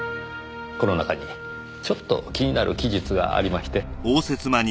この中にちょっと気になる記述がありまして。